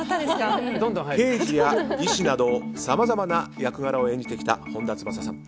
刑事や医師などさまざまな役柄を演じてきた本田翼さん。